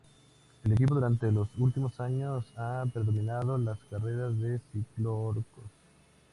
El equipo durante los últimos años ha predominado las carreras de Ciclocrós.